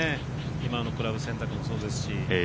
今のクラブ選択もそうですし。